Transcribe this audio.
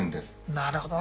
なるほどね。